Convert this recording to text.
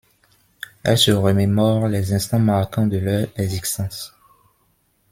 Elles se remémorent les instants marquants de leurs existences.